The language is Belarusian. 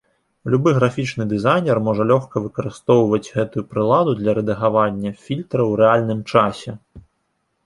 Любы графічны дызайнер можа лёгка выкарыстоўваць гэтую прыладу для рэдагавання фільтра ў рэальным часе.